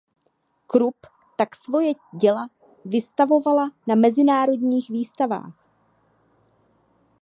Krupp tak svoje děla vystavoval na mezinárodních výstavách.